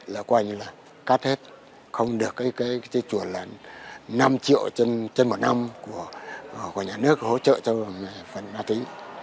là qua như là cắt hết không được cái chuẩn là năm triệu trên một năm của nhà nước hỗ trợ cho phần ma túy